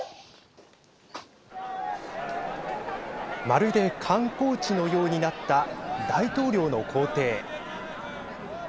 まるで観光地のようになった大統領の公邸。